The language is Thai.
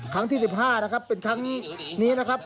ที่๑๕นะครับเป็นครั้งนี้นะครับ